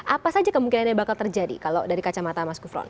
apa saja kemungkinannya bakal terjadi kalau dari kacamata mas gufron